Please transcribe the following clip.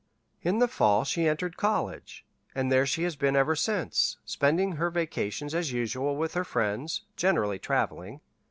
"In the fall she entered college, and there she has been ever since, spending her vacations as usual with friends, generally traveling.